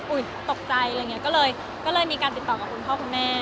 ตกใจอะไรอย่างนี้ก็เลยมีการติดต่อกับคุณพ่อคุณแม่